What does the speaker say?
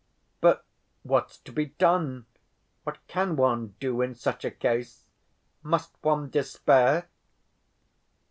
" "But what's to be done? What can one do in such a case? Must one despair?"